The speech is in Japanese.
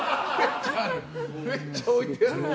めっちゃ置いてある！